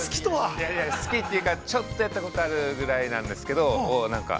◆いやいや、好きというか、ちょっとやったことがあるぐらいなんですけれども、なんか、